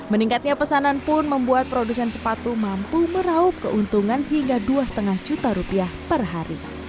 meningkatnya pesanan pun membuat produsen sepatu mampu meraup keuntungan hingga rp dua lima juta